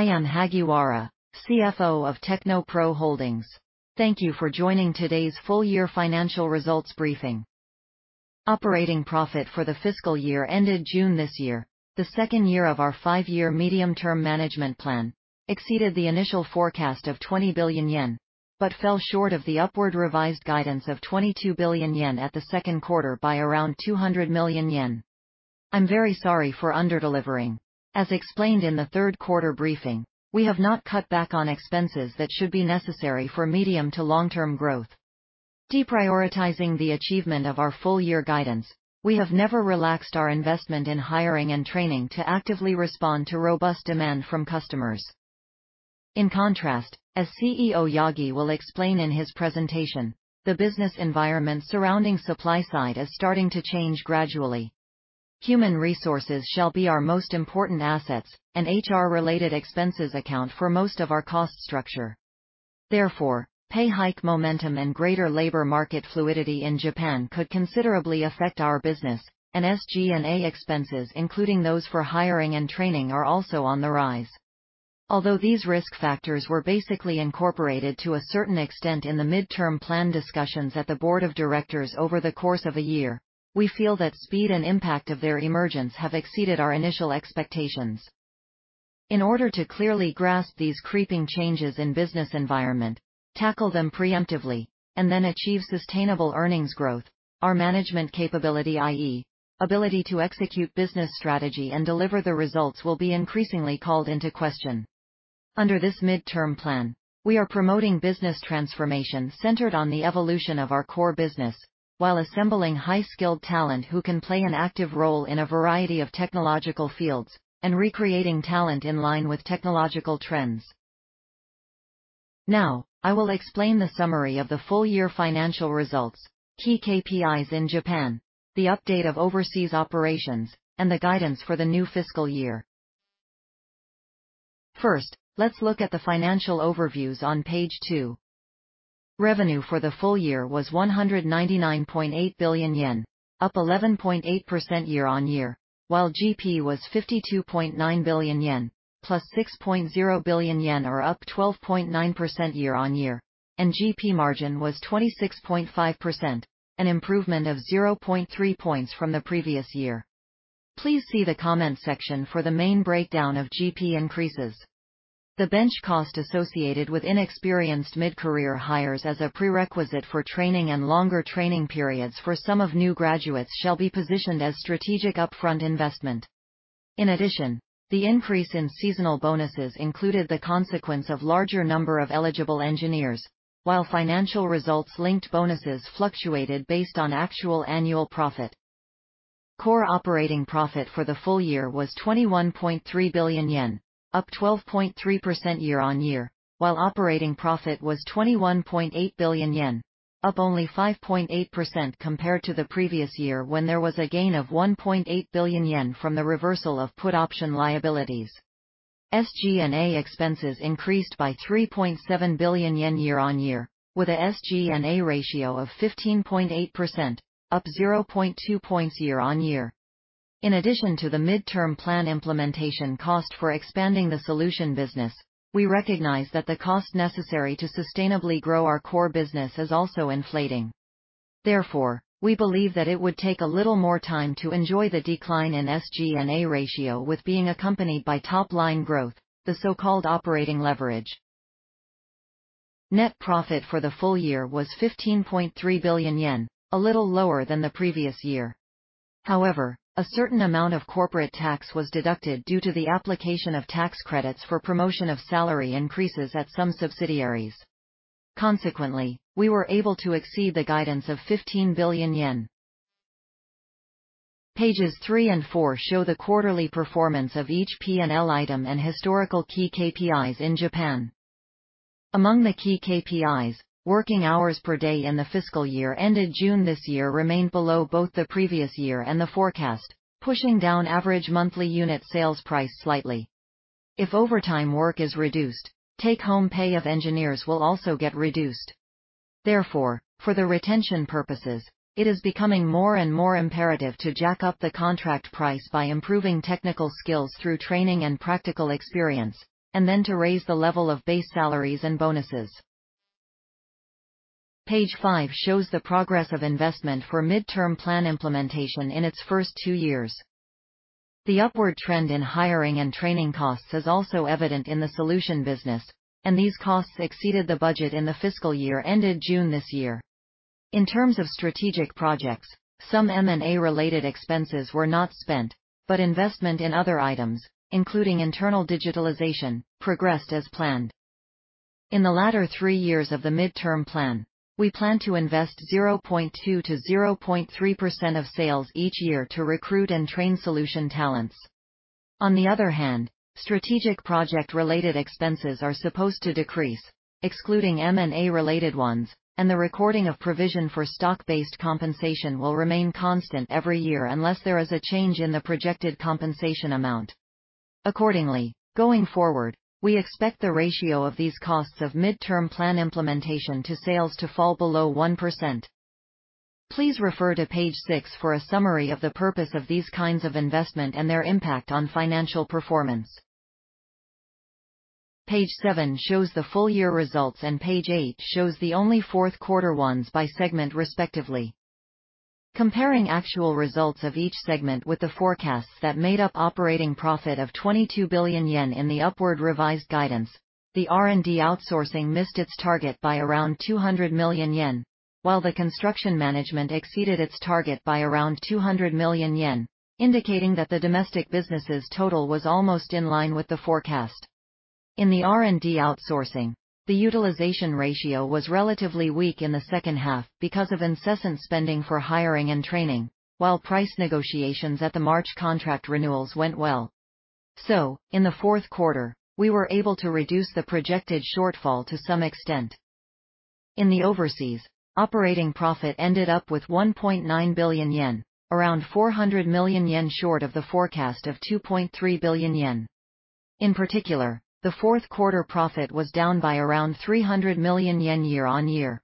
I am Hagiwara, CFO of TechnoPro Holdings. Thank you for joining today's full-year financial results briefing. Operating profit for the fiscal year ended June this year, the second year of our five-year medium-term management plan, exceeded the initial forecast of 20 billion yen, but fell short of the upward revised guidance of 22 billion yen at the second quarter by around 200 million yen. I'm very sorry for under-delivering. As explained in the third quarter briefing, we have not cut back on expenses that should be necessary for medium to long-term growth. Deprioritizing the achievement of our full-year guidance, we have never relaxed our investment in hiring and training to actively respond to robust demand from customers. In contrast, as CEO Yagi will explain in his presentation, the business environment surrounding supply side is starting to change gradually. Human resources shall be our most important assets, and HR-related expenses account for most of our cost structure. Therefore, pay hike momentum and greater labor market fluidity in Japan could considerably affect our business, and SG&A expenses, including those for hiring and training, are also on the rise. Although these risk factors were basically incorporated to a certain extent in the mid-term plan discussions at the board of directors over the course of a year, we feel that speed and impact of their emergence have exceeded our initial expectations. In order to clearly grasp these creeping changes in business environment, tackle them preemptively, and then achieve sustainable earnings growth, our management capability, i.e., ability to execute business strategy and deliver the results, will be increasingly called into question. Under this mid-term plan, we are promoting business transformation centered on the evolution of our core business, while assembling high-skilled talent who can play an active role in a variety of technological fields and recreating talent in line with technological trends. I will explain the summary of the full-year financial results, key KPIs in Japan, the update of overseas operations, and the guidance for the new fiscal year. Let's look at the financial overviews on page two. Revenue for the full year was 199.8 billion yen, up 11.8% year-on-year, while GP was 52.9 billion yen, plus 6.0 billion yen, or up 12.9% year-on-year, and GP margin was 26.5%, an improvement of 0.3 points from the previous year. Please see the comment section for the main breakdown of GP increases. The bench cost associated with inexperienced mid-career hires as a prerequisite for training and longer training periods for some of new graduates shall be positioned as strategic upfront investment. The increase in seasonal bonuses included the consequence of larger number of eligible engineers, while financial results linked bonuses fluctuated based on actual annual profit. Core operating profit for the full year was 21.3 billion yen, up 12.3% year-on-year, while operating profit was 21.8 billion yen, up only 5.8% compared to the previous year when there was a gain of 1.8 billion yen from the reversal of put option liabilities. SG&A expenses increased by 3.7 billion yen year-on-year, with a SG&A ratio of 15.8%, up 0.2 points year-on-year. In addition to the mid-term plan implementation cost for expanding the solution business, we recognize that the cost necessary to sustainably grow our core business is also inflating. Therefore, we believe that it would take a little more time to enjoy the decline in SG&A ratio with being accompanied by top-line growth, the so-called operating leverage. Net profit for the full year was 15.3 billion yen, a little lower than the previous year. However, a certain amount of corporate tax was deducted due to the application of tax credits for promotion of salary increases at some subsidiaries. Consequently, we were able to exceed the guidance of 15 billion yen. Pages three and four show the quarterly performance of each P&L item and historical key KPIs in Japan. Among the key KPIs, working hours per day in the fiscal year ended June this year remained below both the previous year and the forecast, pushing down average monthly unit sales price slightly. If overtime work is reduced, take-home pay of engineers will also get reduced. For the retention purposes, it is becoming more and more imperative to jack up the contract price by improving technical skills through training and practical experience, and then to raise the level of base salaries and bonuses. Page five shows the progress of investment for mid-term plan implementation in its first two years. The upward trend in hiring and training costs is also evident in the solution business, and these costs exceeded the budget in the fiscal year ended June this year. In terms of strategic projects, some M&A-related expenses were not spent, investment in other items, including internal digitalization, progressed as planned. In the latter three years of the mid-term plan, we plan to invest 0.2%-0.3% of sales each year to recruit and train solution talents. On the other hand, strategic project-related expenses are supposed to decrease, excluding M&A-related ones, and the recording of provision for stock-based compensation will remain constant every year unless there is a change in the projected compensation amount. Accordingly, going forward, we expect the ratio of these costs of mid-term plan implementation to sales to fall below 1%. Please refer to page six for a summary of the purpose of these kinds of investment and their impact on financial performance. Page seven, shows the full year results, page 8 shows the only fourth quarter ones by segment, respectively. Comparing actual results of each segment with the forecasts that made up operating profit of 22 billion yen in the upward revised guidance, the R&D Outsourcing missed its target by around 200 million yen, while the Construction Management exceeded its target by around 200 million yen, indicating that the domestic businesses total was almost in line with the forecast. In the R&D Outsourcing, the utilization ratio was relatively weak in the second half because of incessant spending for hiring and training, while price negotiations at the March contract renewals went well. In the fourth quarter, we were able to reduce the projected shortfall to some extent. In the overseas, operating profit ended up with 1.9 billion yen, around 400 million yen short of the forecast of 2.3 billion yen. In particular, the fourth quarter profit was down by around 300 million yen year-on-year.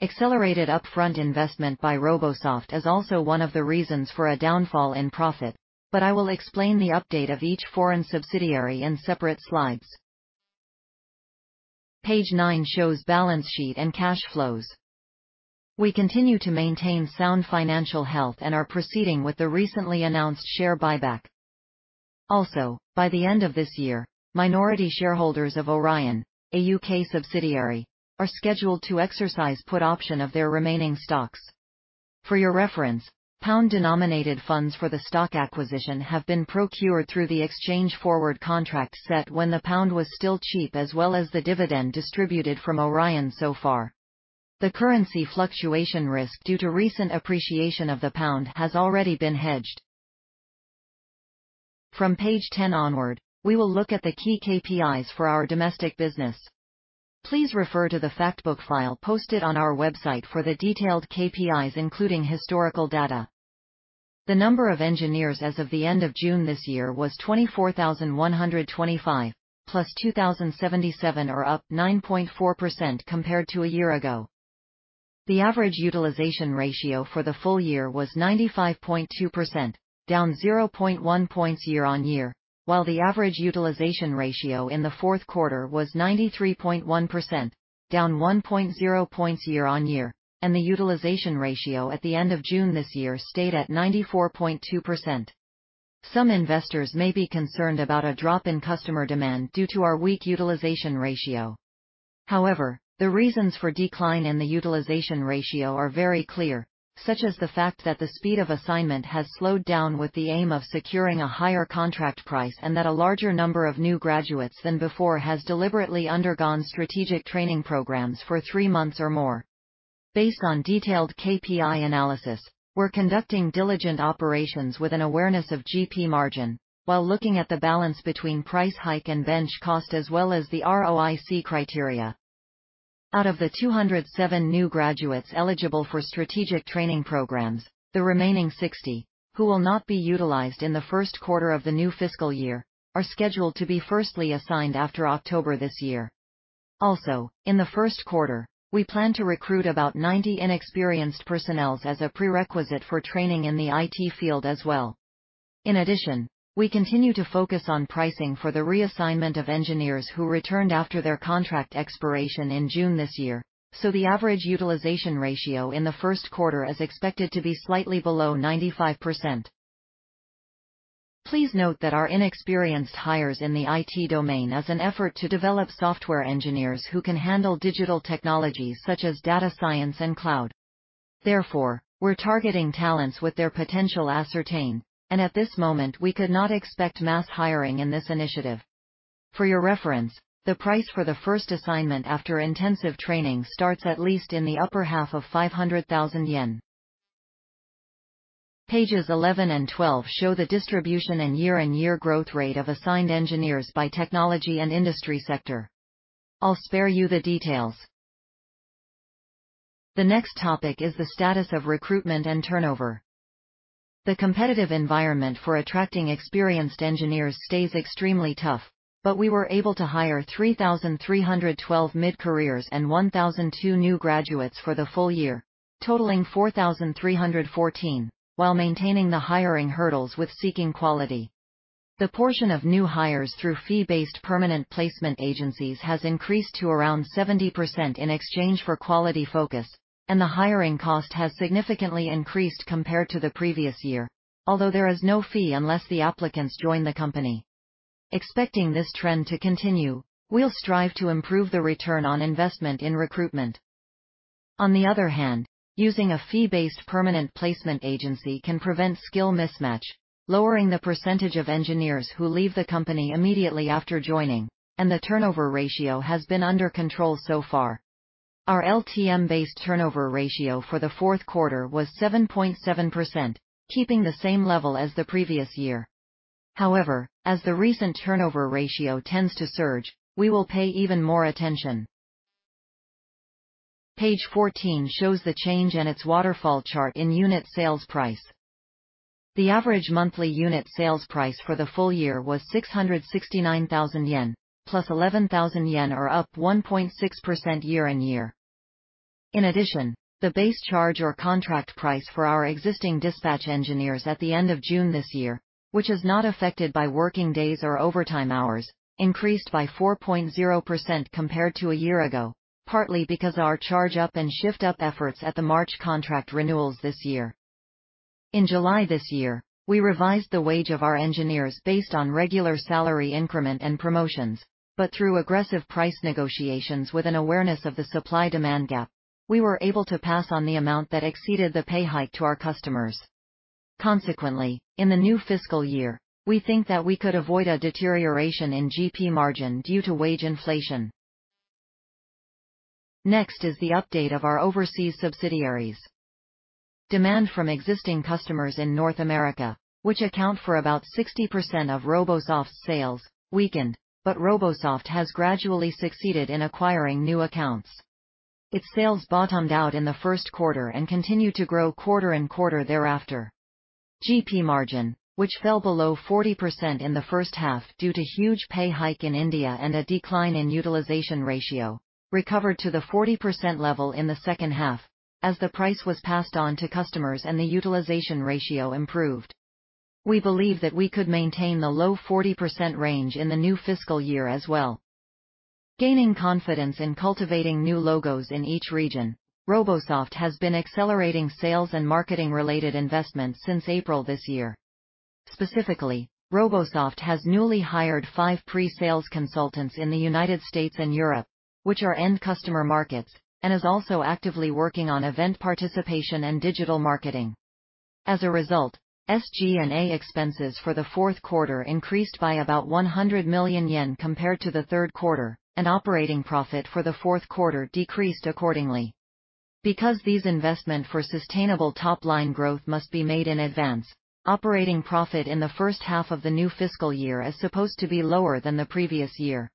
Accelerated upfront investment by Robosoft is also one of the reasons for a downfall in profit, I will explain the update of each foreign subsidiary in separate slides. Page nine shows balance sheet and cash flows. We continue to maintain sound financial health and are proceeding with the recently announced share buyback. By the end of this year, minority shareholders of Orion, a U.K. subsidiary, are scheduled to exercise put option of their remaining stocks. For your reference, GBP-denominated funds for the stock acquisition have been procured through the exchange forward contract set when the GBP was still cheap, as well as the dividend distributed from Orion so far. The currency fluctuation risk due to recent appreciation of the GBP has already been hedged. From page 10 onward, we will look at the key KPIs for our domestic business. Please refer to the fact book file posted on our website for the detailed KPIs, including historical data. The number of engineers as of the end of June this year was 24,125, plus 2,077, or up 9.4% compared to a year ago. The average utilization ratio for the full year was 95.2%, down 0.1 points year-on-year, while the average utilization ratio in the fourth quarter was 93.1%, down 1.0 points year-on-year, and the utilization ratio at the end of June this year stayed at 94.2%. Some investors may be concerned about a drop in customer demand due to our weak utilization ratio. However, the reasons for decline in the utilization ratio are very clear, such as the fact that the speed of assignment has slowed down with the aim of securing a higher contract price, and that a larger number of new graduates than before has deliberately undergone strategic training programs for three months or more. Based on detailed KPI analysis, we're conducting diligent operations with an awareness of GP margin while looking at the balance between price hike and bench cost, as well as the ROIC criteria. Out of the 207 new graduates eligible for strategic training programs, the remaining 60, who will not be utilized in the 1st quarter of the new fiscal year, are scheduled to be firstly assigned after October this year. In the 1st quarter, we plan to recruit about 90 inexperienced personnel as a prerequisite for training in the IT field as well. We continue to focus on pricing for the reassignment of engineers who returned after their contract expiration in June this year, so the average utilization ratio in the 1st quarter is expected to be slightly below 95%. Please note that our inexperienced hires in the IT domain is an effort to develop software engineers who can handle digital technologies, such as data science and cloud. Therefore, we're targeting talents with their potential ascertained, and at this moment, we could not expect mass hiring in this initiative. For your reference, the price for the first assignment after intensive training starts at least in the upper half of 500,000 yen. Pages 11 and 12 show the distribution and year-and-year growth rate of assigned engineers by technology and industry sector. I'll spare you the details. The next topic is the status of recruitment and turnover. The competitive environment for attracting experienced engineers stays extremely tough. We were able to hire 3,312 mid-careers and 1,002 new graduates for the full year, totaling 4,314, while maintaining the hiring hurdles with seeking quality. The portion of new hires through fee-based permanent placement agencies has increased to around 70% in exchange for quality focus, and the hiring cost has significantly increased compared to the previous year, although there is no fee unless the applicants join the company. Expecting this trend to continue, we'll strive to improve the return on investment in recruitment. On the other hand, using a fee-based permanent placement agency can prevent skill mismatch, lowering the percentage of engineers who leave the company immediately after joining, and the turnover ratio has been under control so far. Our LTM-based turnover ratio for the fourth quarter was 7.7%, keeping the same level as the previous year. As the recent turnover ratio tends to surge, we will pay even more attention. Page 14 shows the change and its waterfall chart in unit sales price. The average monthly unit sales price for the full year was 669,000 yen, + 11,000 yen, or up 1.6% year-on-year. In addition, the base charge or contract price for our existing dispatch engineers at the end of June this year, which is not affected by working days or overtime hours, increased by 4.0% compared to a year ago, partly because of our Charge Up and Shift Up efforts at the March contract renewals this year. In July this year, we revised the wage of our engineers based on regular salary increment and promotions, but through aggressive price negotiations with an awareness of the supply-demand gap, we were able to pass on the amount that exceeded the pay hike to our customers. Consequently, in the new fiscal year, we think that we could avoid a deterioration in GP margin due to wage inflation. Next is the update of our overseas subsidiaries. Demand from existing customers in North America, which account for about 60% of Robosoft's sales, weakened, but Robosoft has gradually succeeded in acquiring new accounts. Its sales bottomed out in the 1st quarter and continued to grow quarter and quarter thereafter. GP margin, which fell below 40% in the first half due to huge pay hike in India and a decline in utilization ratio, recovered to the 40% level in the second half as the price was passed on to customers and the utilization ratio improved. We believe that we could maintain the low 40% range in the new fiscal year as well. Gaining confidence in cultivating new logos in each region, Robosoft has been accelerating sales and marketing-related investments since April this year. Specifically, Robosoft has newly hired five pre-sales consultants in the United States and Europe, which are end customer markets, and is also actively working on event participation and digital marketing. As a result, SG&A expenses for the fourth quarter increased by about 100 million yen compared to the third quarter, and operating profit for the fourth quarter decreased accordingly. Because these investment for sustainable top-line growth must be made in advance, operating profit in the first half of the new fiscal year is supposed to be lower than the previous year.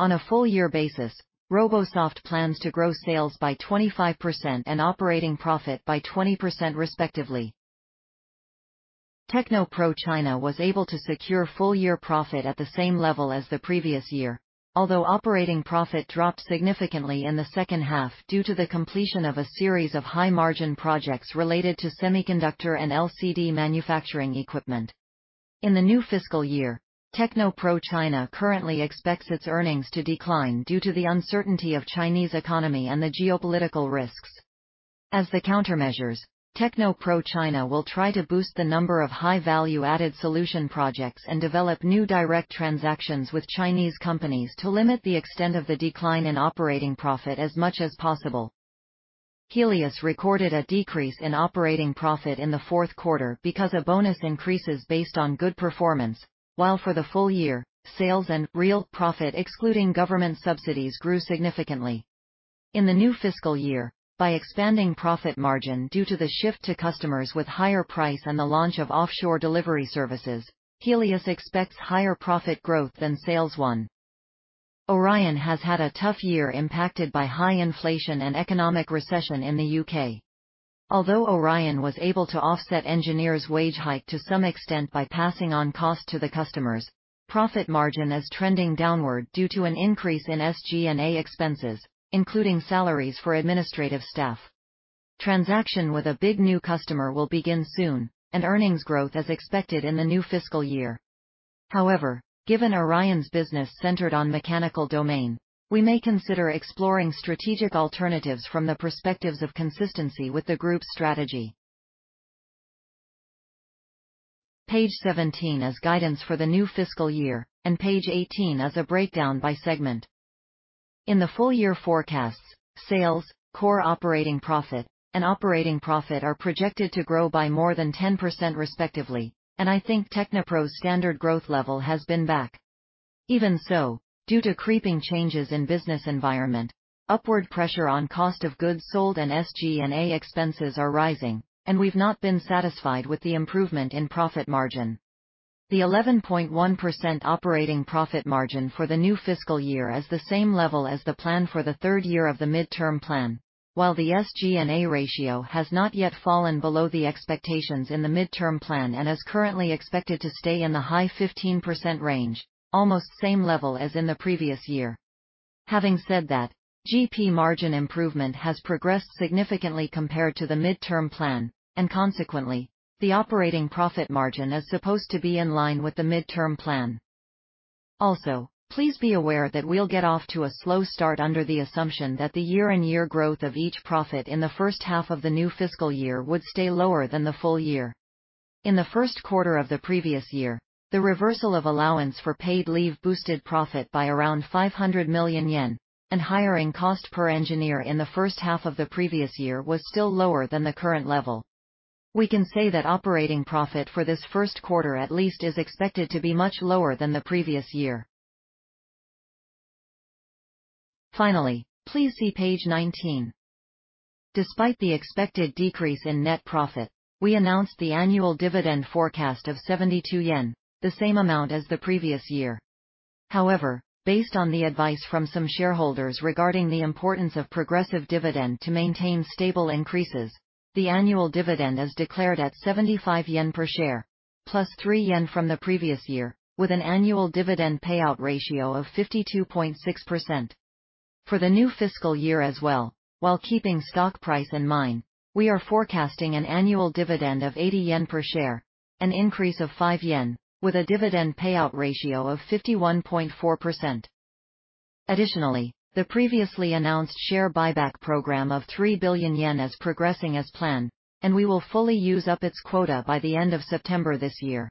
On a full year basis, Robosoft plans to grow sales by 25% and operating profit by 20% respectively. TechnoPro China was able to secure full-year profit at the same level as the previous year, although operating profit dropped significantly in the second half due to the completion of a series of high-margin projects related to semiconductor and LCD manufacturing equipment. In the new fiscal year, TechnoPro China currently expects its earnings to decline due to the uncertainty of Chinese economy and the geopolitical risks. As the countermeasures, TechnoPro China will try to boost the number of high value-added solution projects and develop new direct transactions with Chinese companies to limit the extent of the decline in operating profit as much as possible. Helius recorded a decrease in operating profit in the fourth quarter because of bonus increases based on good performance, while for the full year, sales and real profit, excluding government subsidies, grew significantly. In the new fiscal year, by expanding profit margin due to the shift to customers with higher price and the launch of offshore delivery services, Helius expects higher profit growth than sales one. Orion has had a tough year, impacted by high inflation and economic recession in the U.K. Although Orion was able to offset engineers' wage hike to some extent by passing on cost to the customers, profit margin is trending downward due to an increase in SG&A expenses, including salaries for administrative staff. Transaction with a big new customer will begin soon, and earnings growth is expected in the new fiscal year. However, given Orion's business centered on mechanical domain, we may consider exploring strategic alternatives from the perspectives of consistency with the group's strategy. Page 17 is guidance for the new fiscal year, and page 18 is a breakdown by segment. In the full-year forecasts, sales, core operating profit, and operating profit are projected to grow by more than 10% respectively, and I think TechnoPro's standard growth level has been back. Even so, due to creeping changes in business environment, upward pressure on cost of goods sold and SG&A expenses are rising, and we've not been satisfied with the improvement in profit margin. The 11.1% operating profit margin for the new fiscal year is the same level as the plan for the third year of the mid-term plan, while the SG&A ratio has not yet fallen below the expectations in the mid-term plan and is currently expected to stay in the high 15% range, almost same level as in the previous year. Having said that, GP margin improvement has progressed significantly compared to the mid-term plan, and consequently, the operating profit margin is supposed to be in line with the mid-term plan. Please be aware that we'll get off to a slow start under the assumption that the year-on-year growth of each profit in the first half of the new fiscal year would stay lower than the full year. In the first quarter of the previous year, the reversal of allowance for paid leave boosted profit by around 500 million yen, and hiring cost per engineer in the first half of the previous year was still lower than the current level. We can say that operating profit for this first quarter at least is expected to be much lower than the previous year. Please see page 19. Despite the expected decrease in net profit, we announced the annual dividend forecast of 72 yen, the same amount as the previous year. However, based on the advice from some shareholders regarding the importance of progressive dividend to maintain stable increases, the annual dividend is declared at 75 yen per share, plus 3 yen from the previous year, with an annual dividend payout ratio of 52.6%. For the new fiscal year as well, while keeping stock price in mind, we are forecasting an annual dividend of 80 yen per share, an increase of 5 yen, with a dividend payout ratio of 51.4%. Additionally, the previously announced share buyback program of 3 billion yen is progressing as planned, and we will fully use up its quota by the end of September this year.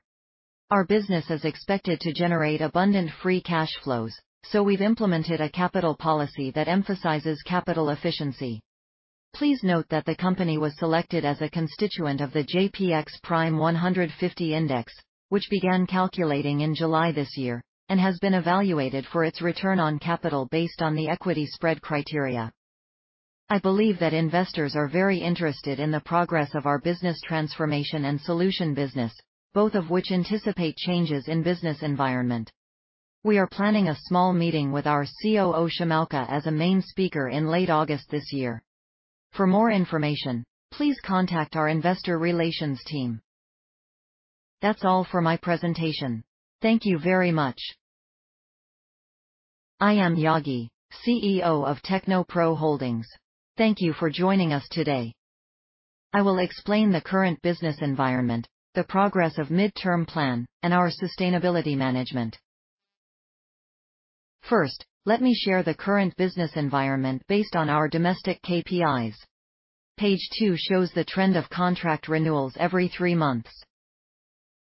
Our business is expected to generate abundant free cash flows, so we've implemented a capital policy that emphasizes capital efficiency. Please note that the company was selected as a constituent of the JPX-Prime 150 Index, which began calculating in July this year, and has been evaluated for its return on capital based on the equity spread criteria. I believe that investors are very interested in the progress of our business transformation and solution business, both of which anticipate changes in business environment. We are planning a small meeting with our COO Shimaoka as a main speaker in late August this year. For more information, please contact our investor relations team. That's all for my presentation. Thank you very much. I am Yagi, CEO of TechnoPro Holdings. Thank you for joining us today. I will explain the current business environment, the progress of mid-term plan, and our sustainability management. First, let me share the current business environment based on our domestic KPIs. Page two shows the trend of contract renewals every three months.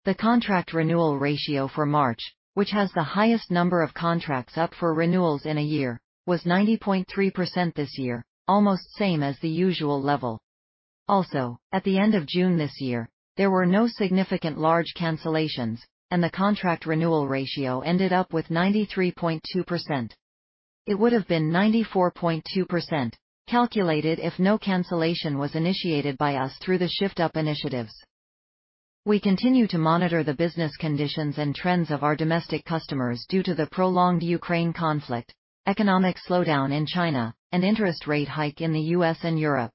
The contract renewal ratio for March, which has the highest number of contracts up for renewals in a year, was 90.3% this year, almost same as the usual level. Also, at the end of June this year, there were no significant large cancellations, and the contract renewal ratio ended up with 93.2%. It would have been 94.2%, calculated if no cancellation was initiated by us through the Shift Up initiatives. We continue to monitor the business conditions and trends of our domestic customers due to the prolonged Ukraine conflict, economic slowdown in China, and interest rate hike in the U.S. and Europe.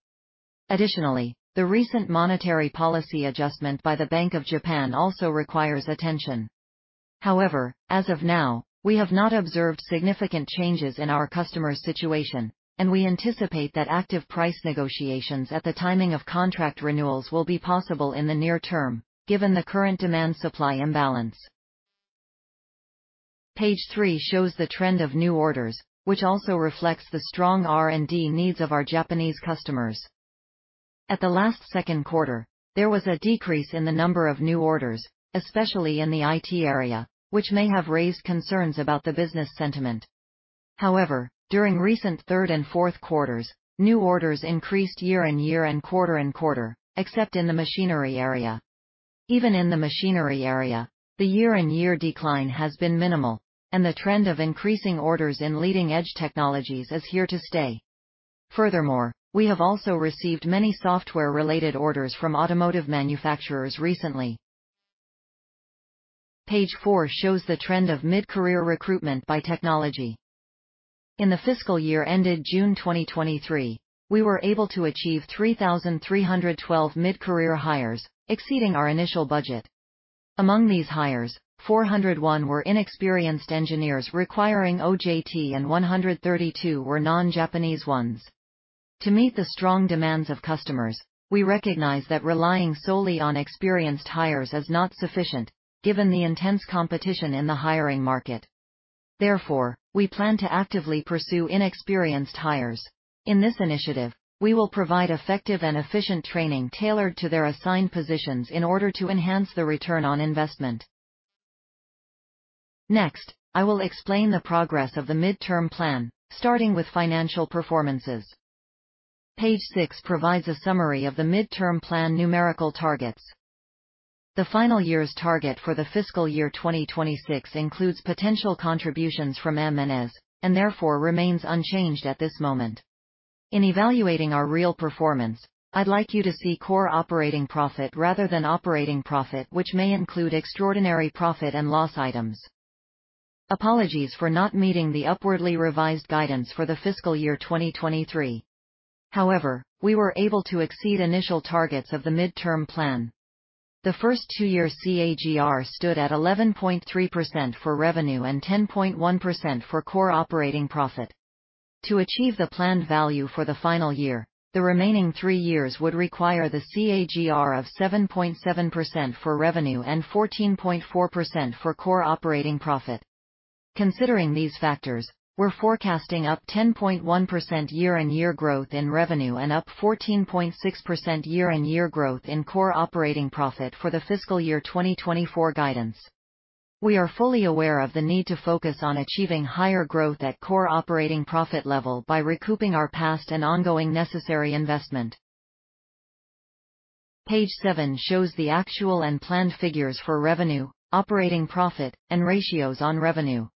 Additionally, the recent monetary policy adjustment by the Bank of Japan also requires attention. As of now, we have not observed significant changes in our customers' situation, and we anticipate that active price negotiations at the timing of contract renewals will be possible in the near term, given the current demand-supply imbalance. Page three shows the trend of new orders, which also reflects the strong R&D needs of our Japanese customers. At the last second quarter, there was a decrease in the number of new orders, especially in the IT area, which may have raised concerns about the business sentiment. During recent 3rd and 4th quarters, new orders increased year-over-year and quarter-over-quarter, except in the machinery area. Even in the machinery area, the year-on-year decline has been minimal, and the trend of increasing orders in leading-edge technologies is here to stay. We have also received many software-related orders from automotive manufacturers recently. Page four shows the trend of mid-career recruitment by technology. In the fiscal year ended June 2023, we were able to achieve 3,312 mid-career hires, exceeding our initial budget. Among these hires, 401 were inexperienced engineers requiring OJT, and 132 were non-Japanese ones. To meet the strong demands of customers, we recognize that relying solely on experienced hires is not sufficient, given the intense competition in the hiring market. We plan to actively pursue inexperienced hires. In this initiative, we will provide effective and efficient training tailored to their assigned positions in order to enhance the return on investment. I will explain the progress of the mid-term plan, starting with financial performances. Page six provides a summary of the mid-term plan numerical targets. The final year's target for the fiscal year 2026 includes potential contributions from M&A, therefore remains unchanged at this moment. In evaluating our real performance, I'd like you to see core operating profit rather than operating profit, which may include extraordinary profit and loss items. Apologies for not meeting the upwardly revised guidance for the fiscal year 2023. We were able to exceed initial targets of the medium-term management plan. The first two-year CAGR stood at 11.3% for revenue and 10.1% for core operating profit. To achieve the planned value for the final year, the remaining three years would require the CAGR of 7.7% for revenue and 14.4% for core operating profit. Considering these factors, we're forecasting up 10.1% year-on-year growth in revenue and up 14.6% year-on-year growth in core operating profit for the fiscal year 2024 guidance. We are fully aware of the need to focus on achieving higher growth at core operating profit level by recouping our past and ongoing necessary investment. Page seven shows the actual and planned figures for revenue, operating profit, and ratios on revenue.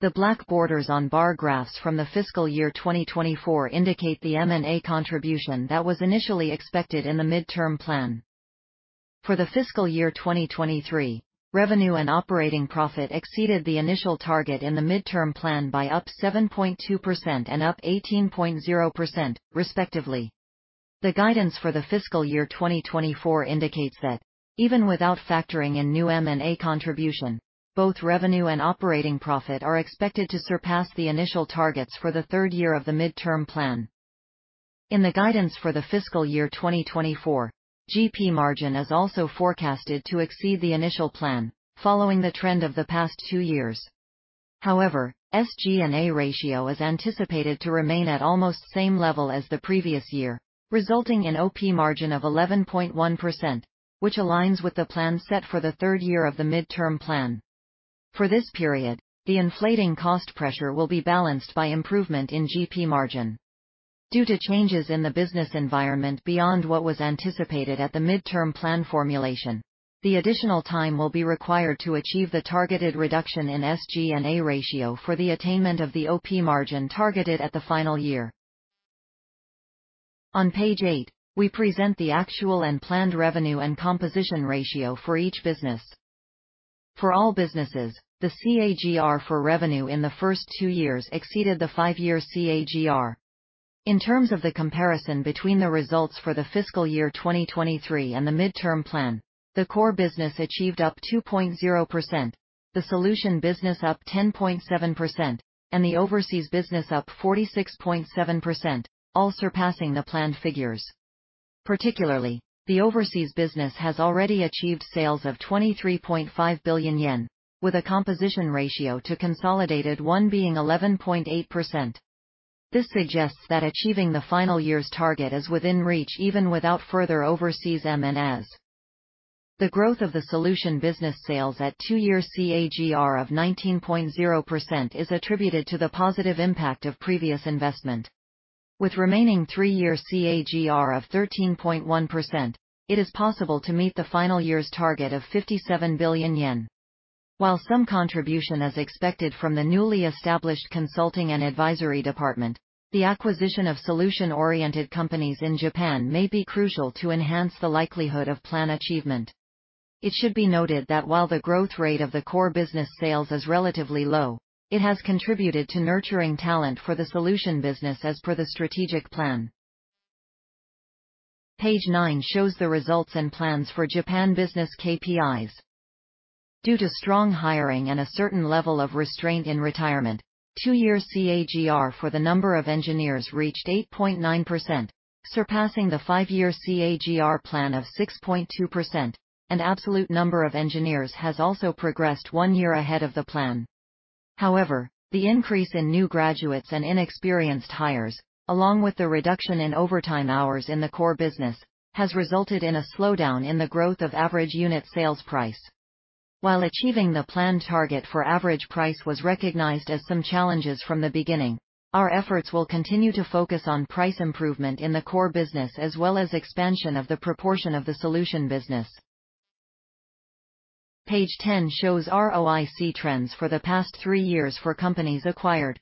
The black borders on bar graphs from the fiscal year 2024 indicate the M&A contribution that was initially expected in the mid-term plan....For the fiscal year 2023, revenue and operating profit exceeded the initial target in the midterm plan by up 7.2% and up 18.0%, respectively. The guidance for the fiscal year 2024 indicates that even without factoring in new M&A contribution, both revenue and operating profit are expected to surpass the initial targets for the third year of the mid-term plan. In the guidance for the fiscal year 2024, GP margin is also forecasted to exceed the initial plan, following the trend of the past two years. However, SG&A ratio is anticipated to remain at almost same level as the previous year, resulting in OP margin of 11.1%, which aligns with the plan set for the third year of the mid-term plan. For this period, the inflating cost pressure will be balanced by improvement in GP margin. Due to changes in the business environment beyond what was anticipated at the mid-term plan formulation, the additional time will be required to achieve the targeted reduction in SG&A ratio for the attainment of the OP margin targeted at the final year. On page eight, we present the actual and planned revenue and composition ratio for each business. For all businesses, the CAGR for revenue in the first two years exceeded the five-year CAGR. In terms of the comparison between the results for the fiscal year 2023 and the mid-term plan, the core business achieved up 2.0%, the solution business up 10.7%, and the overseas business up 46.7%, all surpassing the planned figures. Particularly, the overseas business has already achieved sales of 23.5 billion yen, with a composition ratio to consolidated one being 11.8%. This suggests that achieving the final year's target is within reach, even without further overseas M&As. The growth of the solution business sales at two-year CAGR of 19.0% is attributed to the positive impact of previous investment. With remaining three-year CAGR of 13.1%, it is possible to meet the final year's target of 57 billion yen. While some contribution is expected from the newly established consulting and advisory department, the acquisition of solution-oriented companies in Japan may be crucial to enhance the likelihood of plan achievement. It should be noted that while the growth rate of the core business sales is relatively low, it has contributed to nurturing talent for the solution business as per the strategic plan. Page nine shows the results and plans for Japan business KPIs. Due to strong hiring and a certain level of restraint in retirement, two-year CAGR for the number of engineers reached 8.9%, surpassing the five-year CAGR plan of 6.2%. Absolute number of engineers has also progressed one year ahead of the plan. The increase in new graduates and inexperienced hires, along with the reduction in overtime hours in the core business, has resulted in a slowdown in the growth of average unit sales price. While achieving the planned target for average price was recognized as some challenges from the beginning, our efforts will continue to focus on price improvement in the core business, as well as expansion of the proportion of the solution business. Page 10 shows ROIC trends for the past three years for companies acquired.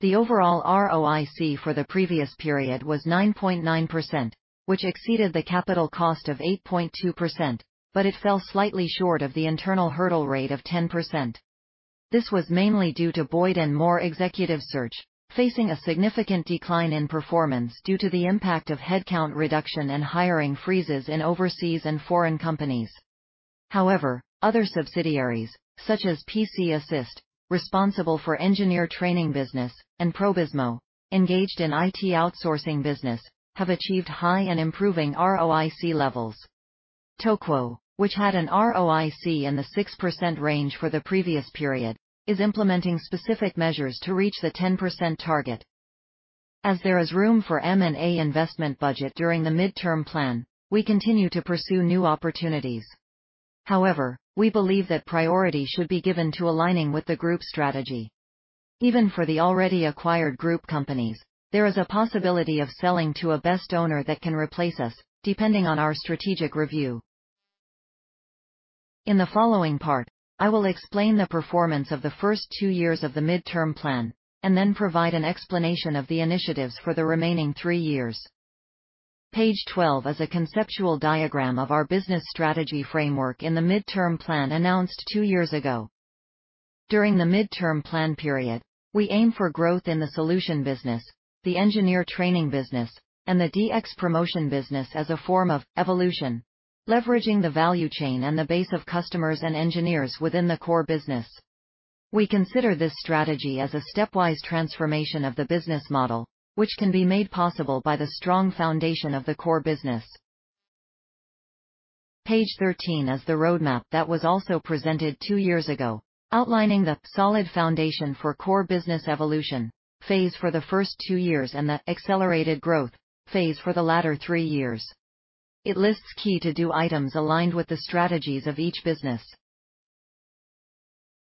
The overall ROIC for the previous period was 9.9%, which exceeded the capital cost of 8.2%. It fell slightly short of the internal hurdle rate of 10%. This was mainly due to Boyd & Moore Executive Search, facing a significant decline in performance due to the impact of headcount reduction and hiring freezes in overseas and foreign companies. Other subsidiaries, such as PC-assist, responsible for engineer training business, and PROBIZMO, engaged in IT outsourcing business, have achieved high and improving ROIC levels. TOQO, which had an ROIC in the 6% range for the previous period, is implementing specific measures to reach the 10% target. As there is room for M&A investment budget during the mid-term plan, we continue to pursue new opportunities. We believe that priority should be given to aligning with the group strategy. Even for the already acquired group companies, there is a possibility of selling to a best owner that can replace us, depending on our strategic review. In the following part, I will explain the performance of the first two years of the mid-term plan and then provide an explanation of the initiatives for the remaining three years. Page 12 is a conceptual diagram of our business strategy framework in the mid-term plan announced two years ago. During the mid-term plan period, we aim for growth in the solution business, the engineer training business, and the DX Promotion Business as a form of evolution, leveraging the value chain and the base of customers and engineers within the core business. We consider this strategy as a stepwise transformation of the business model, which can be made possible by the strong foundation of the core business. Page 13 is the roadmap that was also presented two years ago, outlining the solid foundation for core business evolution phase for the first two years and the accelerated growth phase for the latter three years. It lists key to-do items aligned with the strategies of each business.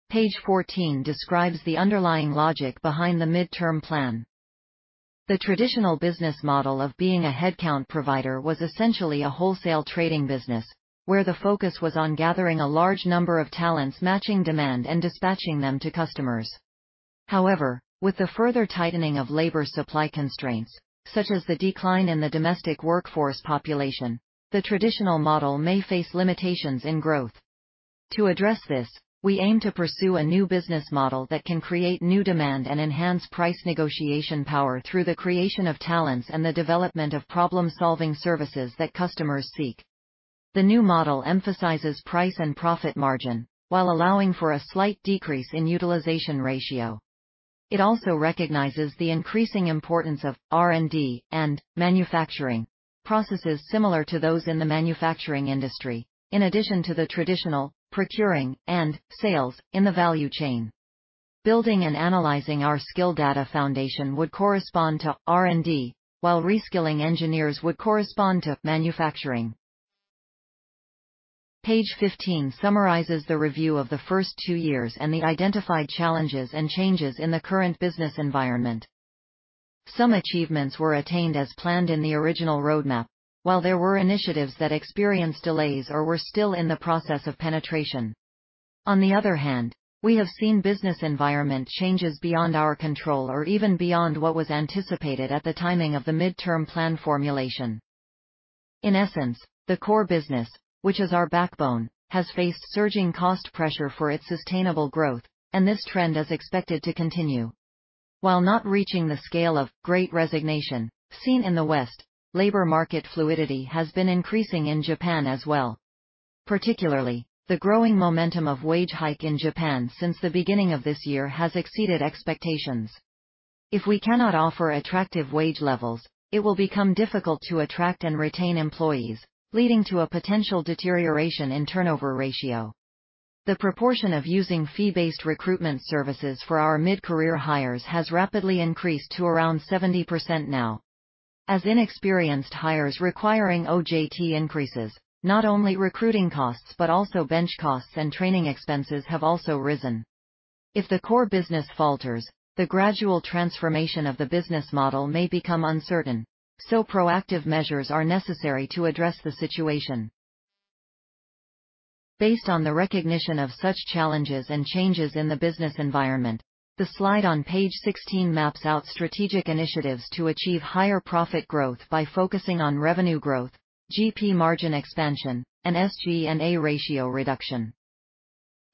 Page 14 describes the underlying logic behind the mid-term plan. The traditional business model of being a headcount provider was essentially a wholesale trading business, where the focus was on gathering a large number of talents, matching demand, and dispatching them to customers. However, with the further tightening of labor supply constraints, such as the decline in the domestic workforce population, the traditional model may face limitations in growth. To address this, we aim to pursue a new business model that can create new demand and enhance price negotiation power through the creation of talents and the development of problem-solving services that customers seek. The new model emphasizes price and profit margin while allowing for a slight decrease in utilization ratio. It also recognizes the increasing importance of R&D and manufacturing, processes similar to those in the manufacturing industry, in addition to the traditional procuring and sales in the value chain. Building and analyzing our skill data foundation would correspond to R&D, while reskilling engineers would correspond to manufacturing. Page 15 summarizes the review of the first two years and the identified challenges and changes in the current business environment. Some achievements were attained as planned in the original roadmap, while there were initiatives that experienced delays or were still in the process of penetration. On the other hand, we have seen business environment changes beyond our control or even beyond what was anticipated at the timing of the mid-term plan formulation. In essence, the core business, which is our backbone, has faced surging cost pressure for its sustainable growth, and this trend is expected to continue. While not reaching the scale of Great Resignation seen in the West, labor market fluidity has been increasing in Japan as well. Particularly, the growing momentum of wage hike in Japan since the beginning of this year has exceeded expectations. If we cannot offer attractive wage levels, it will become difficult to attract and retain employees, leading to a potential deterioration in turnover ratio. The proportion of using fee-based recruitment services for our mid-career hires has rapidly increased to around 70% now. As inexperienced hires requiring OJT increases, not only recruiting costs, but also bench costs and training expenses have also risen. If the core business falters, the gradual transformation of the business model may become uncertain, so proactive measures are necessary to address the situation. Based on the recognition of such challenges and changes in the business environment, the slide on page 16 maps out strategic initiatives to achieve higher profit growth by focusing on revenue growth, GP margin expansion, and SG&A ratio reduction.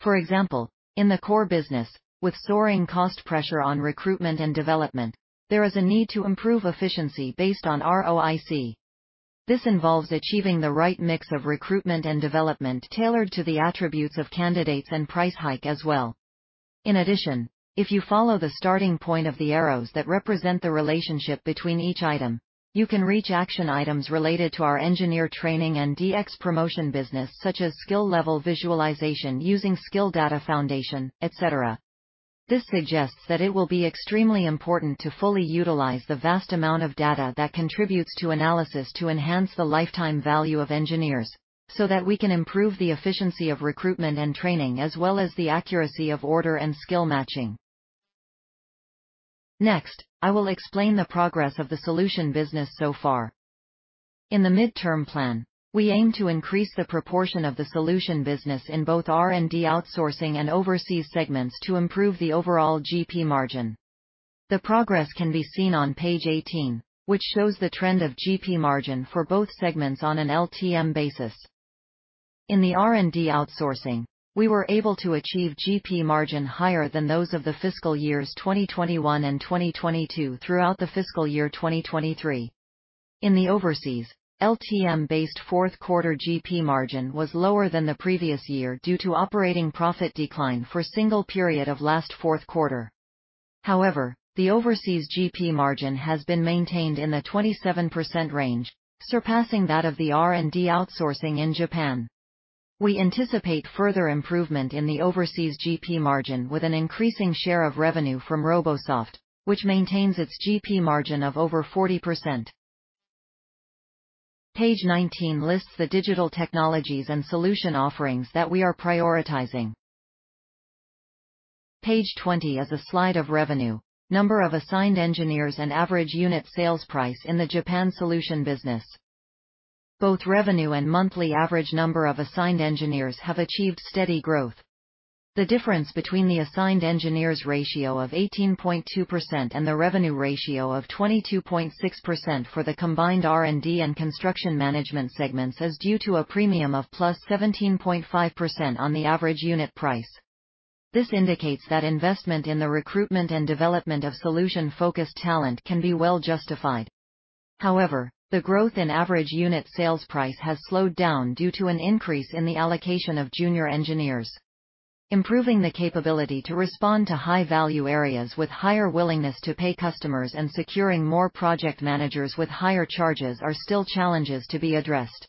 For example, in the core business, with soaring cost pressure on recruitment and development, there is a need to improve efficiency based on ROIC. This involves achieving the right mix of recruitment and development tailored to the attributes of candidates and price hike as well. In addition, if you follow the starting point of the arrows that represent the relationship between each item, you can reach action items related to our engineer training and DX Promotion Business, such as skill level visualization using skill data foundation, etc. This suggests that it will be extremely important to fully utilize the vast amount of data that contributes to analysis to enhance the lifetime value of engineers, so that we can improve the efficiency of recruitment and training, as well as the accuracy of order and skill matching. Next, I will explain the progress of the solution business so far. In the mid-term plan, we aim to increase the proportion of the solution business in both R&D Outsourcing and overseas segments to improve the overall GP margin. The progress can be seen on page 18, which shows the trend of GP margin for both segments on an LTM basis. In the R&D Outsourcing, we were able to achieve GP margin higher than those of the fiscal years 2021 and 2022 throughout the fiscal year 2023. In the overseas, LTM-based fourth quarter GP margin was lower than the previous year due to operating profit decline for single period of last fourth quarter. However, the overseas GP margin has been maintained in the 27% range, surpassing that of the R&D Outsourcing in Japan. We anticipate further improvement in the overseas GP margin with an increasing share of revenue from Robosoft, which maintains its GP margin of over 40%. Page 19 lists the digital technologies and solution offerings that we are prioritizing. Page 20 is a slide of revenue, number of assigned engineers, and average unit sales price in the Japan solution business. Both revenue and monthly average number of assigned engineers have achieved steady growth. The difference between the assigned engineers ratio of 18.2% and the revenue ratio of 22.6% for the combined R&D and construction management segments is due to a premium of +17.5% on the average unit price. This indicates that investment in the recruitment and development of solution-focused talent can be well justified. However, the growth in average unit sales price has slowed down due to an increase in the allocation of junior engineers. Improving the capability to respond to high-value areas with higher willingness to pay customers and securing more project managers with higher charges are still challenges to be addressed.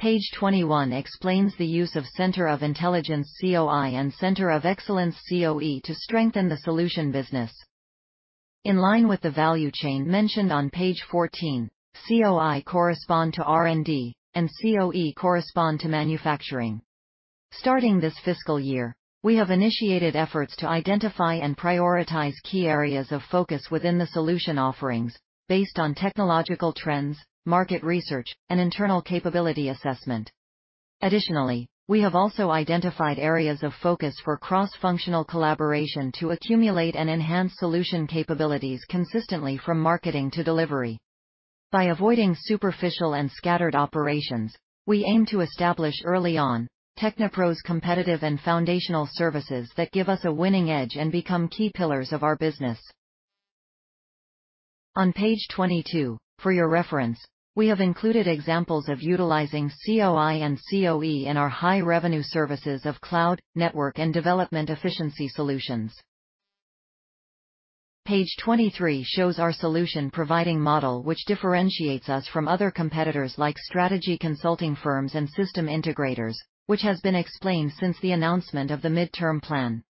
Page 21 explains the use of Center of Intelligence, COI, and Center of Excellence, COE, to strengthen the solution business. In line with the value chain mentioned on page 14, COI correspond to R&D, and COE correspond to manufacturing. Starting this fiscal year, we have initiated efforts to identify and prioritize key areas of focus within the solution offerings based on technological trends, market research, and internal capability assessment. Additionally, we have also identified areas of focus for cross-functional collaboration to accumulate and enhance solution capabilities consistently from marketing to delivery. By avoiding superficial and scattered operations, we aim to establish early on TechnoPro's competitive and foundational services that give us a winning edge and become key pillars of our business. On page 22, for your reference, we have included examples of utilizing COI and COE in our high-revenue services of cloud, network, and development efficiency solutions. Page 23 shows our solution-providing model, which differentiates us from other competitors like strategy consulting firms and system integrators, which has been explained since the announcement of the midterm plan.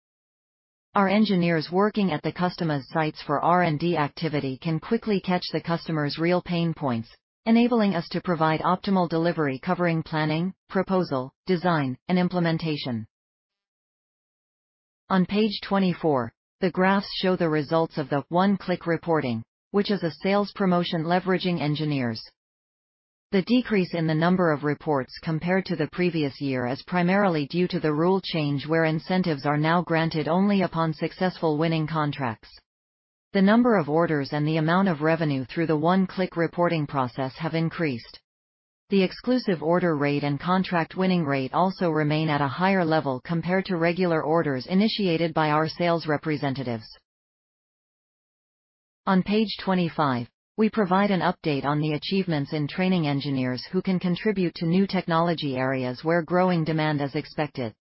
Our engineers working at the customer's sites for R&D activity can quickly catch the customer's real pain points, enabling us to provide optimal delivery covering planning, proposal, design, and implementation. On page 24, the graphs show the results of the One Click Reporting, which is a sales promotion leveraging engineers. The decrease in the number of reports compared to the previous year is primarily due to the rule change, where incentives are now granted only upon successful winning contracts. The number of orders and the amount of revenue through the One Click Reporting process have increased. The exclusive order rate and contract winning rate also remain at a higher level compared to regular orders initiated by our sales representatives. On page 25, we provide an update on the achievements in training engineers who can contribute to new technology areas where growing demand is expected.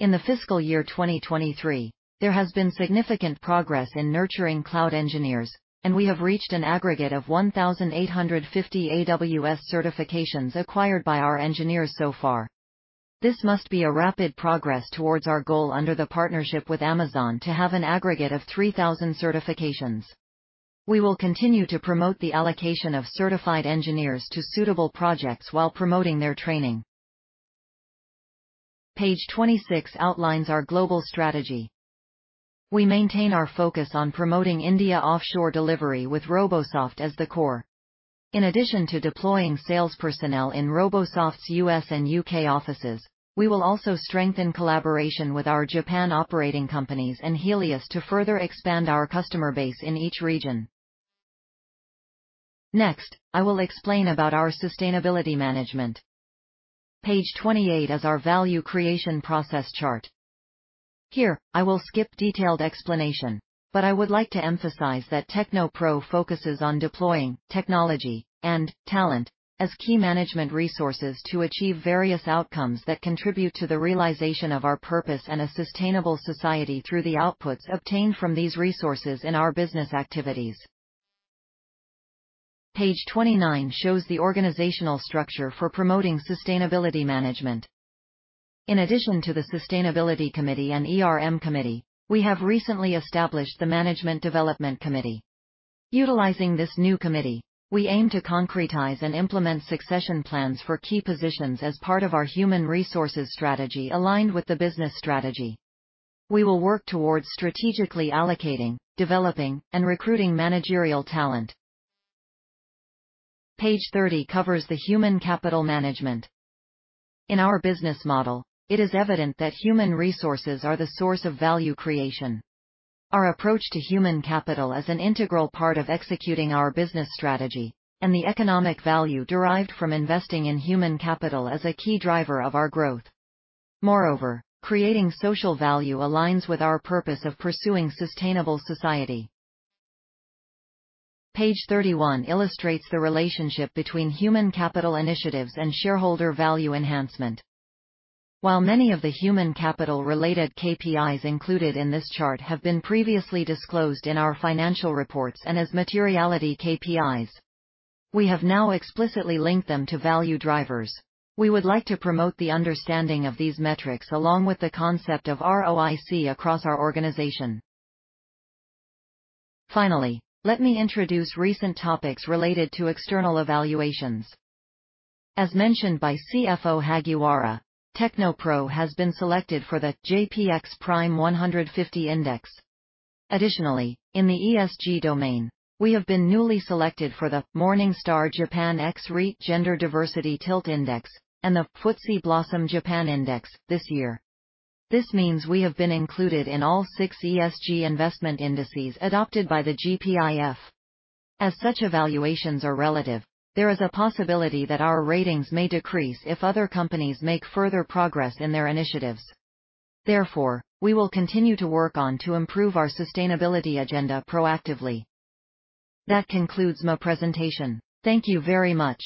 In the fiscal year 2023, there has been significant progress in nurturing cloud engineers, and we have reached an aggregate of 1,850 AWS certifications acquired by our engineers so far. This must be a rapid progress towards our goal under the partnership with Amazon to have an aggregate of 3,000 certifications. We will continue to promote the allocation of certified engineers to suitable projects while promoting their training. Page 26 outlines our global strategy. We maintain our focus on promoting India offshore delivery, with Robosoft as the core. In addition to deploying sales personnel in Robosoft's U.S. and U.K. offices, we will also strengthen collaboration with our Japan operating companies and Helius to further expand our customer base in each region. Next, I will explain about our sustainability management. Page 28 is our value creation process chart. Here, I will skip detailed explanation, but I would like to emphasize that TechnoPro focuses on deploying technology and talent as key management resources to achieve various outcomes that contribute to the realization of our purpose and a sustainable society through the outputs obtained from these resources in our business activities. Page 29 shows the organizational structure for promoting sustainability management. In addition to the Sustainability Committee and ERM Committee, we have recently established the Management Development Committee. Utilizing this new committee, we aim to concretize and implement succession plans for key positions as part of our human resources strategy aligned with the business strategy. We will work towards strategically allocating, developing, and recruiting managerial talent. Page 30 covers the human capital management. In our business model, it is evident that human resources are the source of value creation. Our approach to human capital is an integral part of executing our business strategy, and the economic value derived from investing in human capital is a key driver of our growth. Moreover, creating social value aligns with our purpose of pursuing sustainable society. Page 31 illustrates the relationship between human capital initiatives and shareholder value enhancement. While many of the human capital-related KPIs included in this chart have been previously disclosed in our financial reports and as materiality KPIs, we have now explicitly linked them to value drivers. We would like to promote the understanding of these metrics along with the concept of ROIC across our organization. Finally, let me introduce recent topics related to external evaluations. As mentioned by CFO Hagiwara, TechnoPro has been selected for the JPX-Prime 150 Index. Additionally, in the ESG domain, we have been newly selected for the Morningstar Japan ex-REIT Gender Diversity Tilt Index and the FTSE Blossom Japan Index this year. This means we have been included in all six ESG investment indices adopted by the GPIF. As such evaluations are relative, there is a possibility that our ratings may decrease if other companies make further progress in their initiatives. Therefore, we will continue to work on to improve our sustainability agenda proactively. That concludes my presentation. Thank you very much!